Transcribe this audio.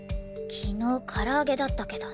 昨日からあげだったけど。